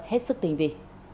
hết sức tình vị